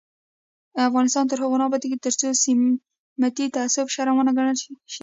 افغانستان تر هغو نه ابادیږي، ترڅو سمتي تعصب شرم ونه ګڼل شي.